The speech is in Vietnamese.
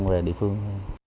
không phải là địa phương